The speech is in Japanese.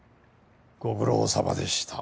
ご苦労さまでした。